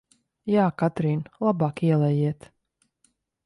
Jā, Katrīn, labāk ielejiet!